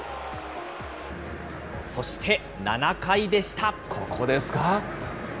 そして７回でした。